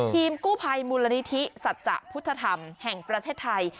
ทีมกู้ภัยมูลนิธิสัจจะพุทธธรรมแห่งประเทศไทย